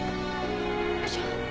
よいしょ。